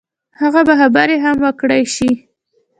هغه به خبرې هم وکړای شي.